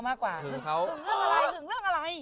อร่อยขึงเรื่องอะไร